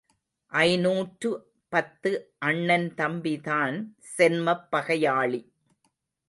ஐநூற்று பத்து அண்ணன் தம்பிதான் சென்மப் பகையாளி.